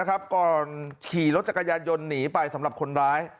ก่อนขี่รถจักรยานยนต์หนีไปสำหรับคนร้าย